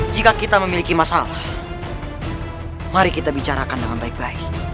jika kita memiliki masalah mari kita bicarakan dengan baik baik